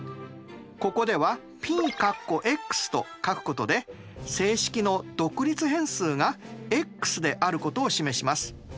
ここではＰと書くことで整式の独立変数がｘであることを示します。